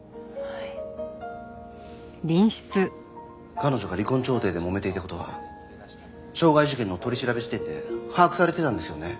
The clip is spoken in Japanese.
彼女が離婚調停でもめていた事は傷害事件の取り調べ時点で把握されてたんですよね？